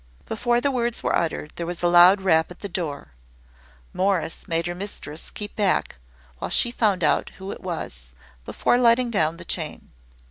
Before the words were uttered, there was a loud rap at the door. Morris made her mistress keep back, while she found out who it was, before letting down the chain.